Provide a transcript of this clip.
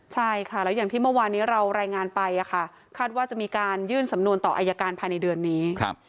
ใช่ค่ะแล้วอย่างที่เมื่อวานนี้เรารายงานไปคาดว่าจะมีการยื่นสำนวนต่ออายการภายในเดือนนี้